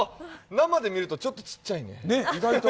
生で見るとちょっとちっちゃいね。